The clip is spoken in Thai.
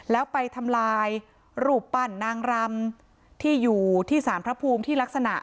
แล้วไปทำลายรูปปั้นนางรำที่อยู่ที่สารพระภูมิที่ลักษณะ